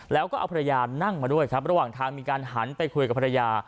แล้วก็เอาภรรยานั่งมาด้วยครับระหว่างทางมีการหันไปคุยกับภรรยา